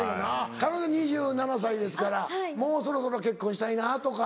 彼女２７歳ですからもうそろそろ結婚したいなとか。